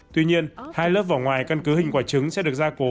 tuy nhiên hai lớp vỏ ngoài căn cứ hình quả trứng sẽ được gia cố